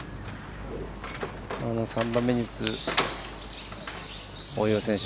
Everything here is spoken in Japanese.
３打目に打つ大岩選手。